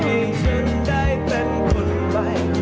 จะมีตัวให้ชั้นได้เป็นคุณไป